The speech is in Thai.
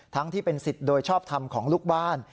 ทั้งที่เป็นสิทธิ์โดยชอบธรรมของลูกบ้าน